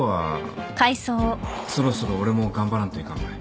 そろそろ俺も頑張らんといかんばい